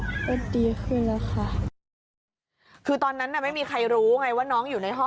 ก็ดีขึ้นแล้วค่ะคือตอนนั้นน่ะไม่มีใครรู้ไงว่าน้องอยู่ในห้อง